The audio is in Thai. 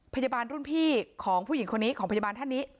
พยาบาลรุ่นพี่ของผู้หญิงคนนี้ของพยาบาลท่านนี้